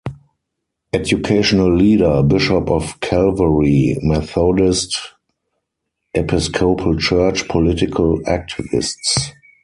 Educational leader, Bishop of Calvary Methodist Episcopal Church, political activists.